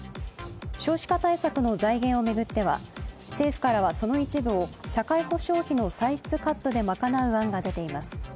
少子化対策の財源を巡っては政府からはその一部を社会保障費の歳出カットで賄う案が出ています。